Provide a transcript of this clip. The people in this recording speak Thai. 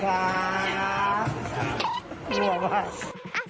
ด้วยหว่า